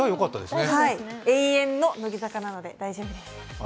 永遠の乃木坂なので大丈夫です。